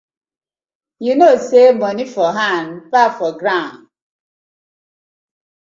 Yu kow say moni for hand back na grawn.